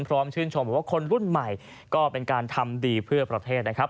พร้อมชื่นชมบอกว่าคนรุ่นใหม่ก็เป็นการทำดีเพื่อประเทศนะครับ